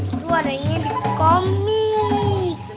itu ada yang nyanyi komik